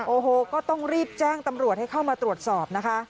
โอ้โหก็ต้องรีบแจ้งตำรวจให้เข้ามาตรวจสอบนะคะ